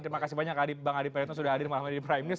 terima kasih banyak bang adi praetno sudah hadir malam ini di prime news